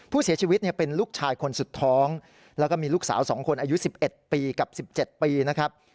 ผู้เสียชีวิตเนี้ยเป็นลูกชายคนสุดท้องแล้วก็มีลูกสาวสองคนอายุสิบเอ็ดปีกับสิบเจ็ดปีนะครับ